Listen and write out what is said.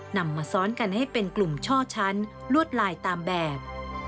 นำมาซ้อนกันให้เป็นกลุ่มช่อชั้นลวดลายตามแบบ